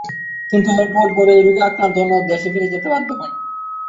কিন্তু এর পরপরই রোগে আক্রান্ত হন ও দেশে ফিরে যেতে বাধ্য হন।